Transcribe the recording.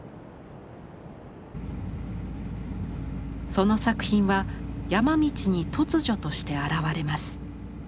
その作品は山道に突如として現れます。